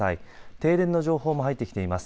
停電の情報も入ってきています。